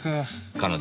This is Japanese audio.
彼女